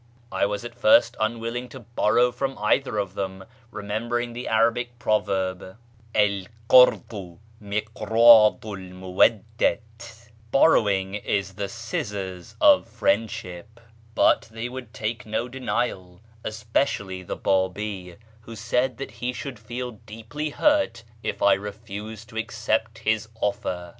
I was at first unwill ing to borrow from either of them, remembering the Arabic proverb, " d Mrdhu viikrddhu 'l muwaddat" (" Borrowing is the scissors of friendship"), but they would take no denial, espe cially the Babi, who said that he should feel deeply hurt if I refused to accept his offer.